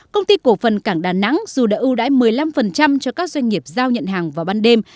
công ty cổ phần cảng đà nẵng dù đã ưu đãi một mươi năm cho các doanh nghiệp giao nhận hàng vào ban đêm